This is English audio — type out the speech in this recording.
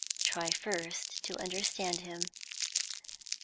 Try first to understand him.